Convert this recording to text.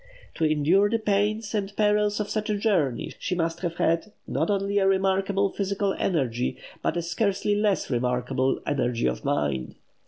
To endure the pains and perils of such a journey she must have had, not only a remarkable physical energy, but a scarcely less remarkable energy of mind.